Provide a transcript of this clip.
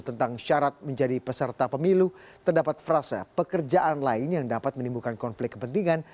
tentang syarat menjadi peserta pemilu terdapat frasa pekerjaan lain yang dapat menimbulkan konflik kepentingan